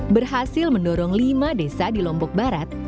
berhasil mendorong lima desa di lombok barat